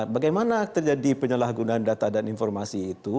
bagaimana terjadi penyalahgunaan data dan informasi itu